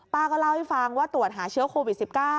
ก็เล่าให้ฟังว่าตรวจหาเชื้อโควิด๑๙